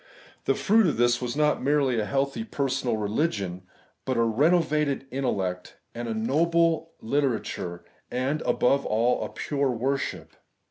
The fruit of this was not merely a healthy per sonal religion, but a renovated intellect and a noble literature, and, above all, a pure worship.